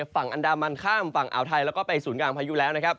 ฝั่งอันดามันข้ามฝั่งอ่าวไทยแล้วก็ไปศูนย์กลางพายุแล้วนะครับ